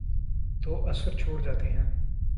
تو اثر چھوڑ جاتے ہیں۔